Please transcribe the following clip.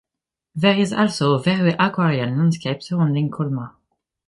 There is also a very agrarian landscape surrounding Kumla.